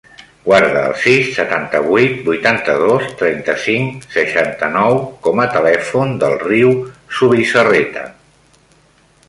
Guarda el sis, setanta-vuit, vuitanta-dos, trenta-cinc, seixanta-nou com a telèfon del Riu Zubizarreta.